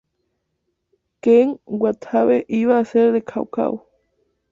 Ken Watanabe iba a hacer de Cao Cao.